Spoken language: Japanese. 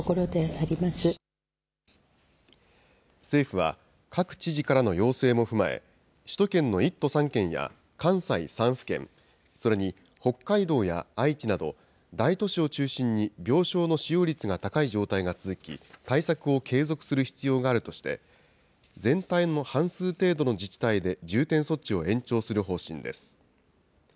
政府は、各知事からの要請も踏まえ、首都圏の１都３県や、関西３府県、それに北海道や愛知など、大都市を中心に病床の使用率が高い状態が続き、対策を継続する必要があるとして、全体の半数程度の自治体で重点措置を延長する方針です。